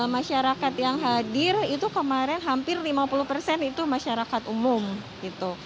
masyarakat yang hadir itu kemarin hampir lima puluh persen itu masyarakat umum gitu